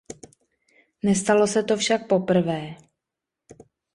Nestalo se to však poprvé.